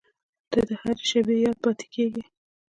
• ته د هر شېبې یاد پاتې کېږې.